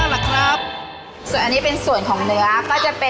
อันนี้เป็นส่วนของเนื้อ